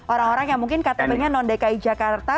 orang orang yang mungkin ktp nya non dki jakarta